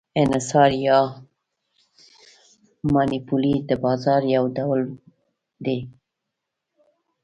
انحصار یا monopoly د بازار یو ډول دی.